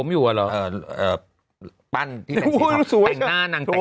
อยู่อ่ะละ